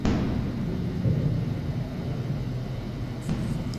د توکو بیه بېرته په بازار کې لوړېږي